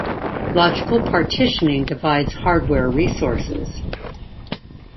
Logical partitioning divides hardware resources.